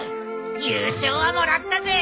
優勝はもらったぜ。